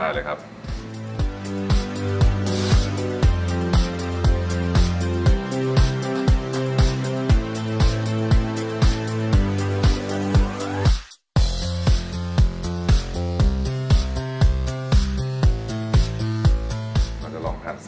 เอาเลยครับได้เลยครับ